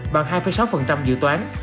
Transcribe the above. bằng hai sáu dự toán